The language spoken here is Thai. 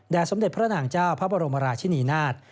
สมเด็จพระนางเจ้าพระบรมราชินีนาฏ